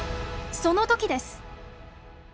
その時です！